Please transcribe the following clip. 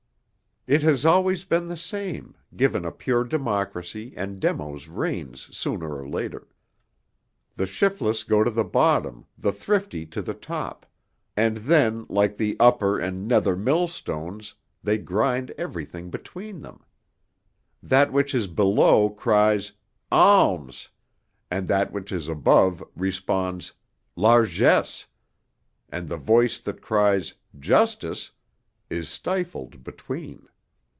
It has always been the same. Given a pure democracy, and demos reigns sooner or later. The shiftless go to the bottom, the thrifty to the top, and then like the upper and nether millstones, they grind everything between them. That which is below cries, 'Alms!' and that which is above responds, 'Largesse,' and the voice that cries, 'Justice,' is stifled between.